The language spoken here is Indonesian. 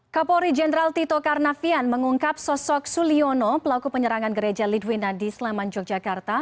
kapolri jenderal tito karnavian mengungkap sosok suliono pelaku penyerangan gereja lidwina di sleman yogyakarta